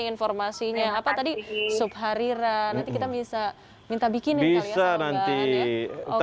informasinya apa tadi subhariran nanti kita bisa minta bikinin kali ya sama mbak anne ya